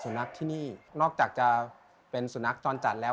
สุนัขที่นี่นอกจากจะเป็นสุนัขจรจัดแล้ว